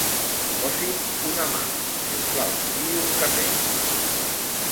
Posi'm una mà, si us plau, i un cafè.